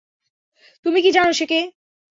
তুমি কি জান, সে কে?